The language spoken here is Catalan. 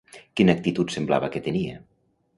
Quina actitud semblava que tenia?